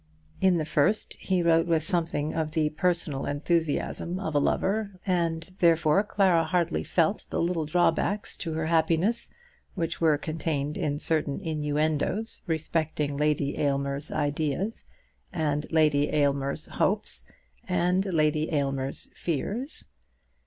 In the first he wrote with something of the personal enthusiasm of a lover, and therefore Clara hardly felt the little drawbacks to her happiness which were contained in certain innuendoes respecting Lady Aylmer's ideas, and Lady Aylmer's hopes, and Lady Aylmer's fears.